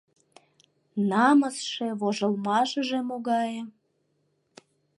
Намысше, вожылмашыже могае!